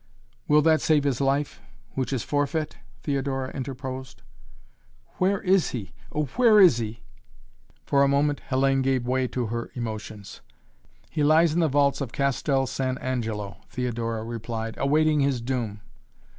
"Will that save his life which is forfeit?" Theodora interposed. "Where is he? Oh, where is he?" For a moment Hellayne gave way to her emotions. "He lies in the vaults of Castel San Angelo," Theodora replied, "awaiting his doom."